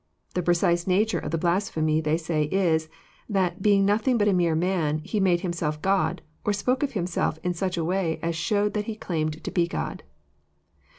The precise nature of the blasphemy they say is, that '^ being nothing bat a mere man, He made Himself God, or spol3:e of Himself in such a way as showed that He claimed to be God."